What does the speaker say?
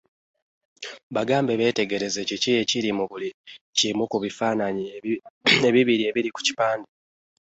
Bagambe beetegereze kiki ekiri mu buli kimu ku bifaananyi ebibiri ebiri ku kipande